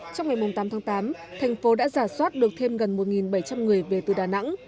trong ngày tám tháng tám thành phố đã giả soát được thêm gần một bảy trăm linh người về từ đà nẵng